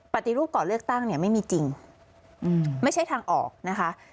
ปฏิรูปก่อเลือกตั้งเนี่ยไม่มีจริงไม่ใช่ทางออกนะคะ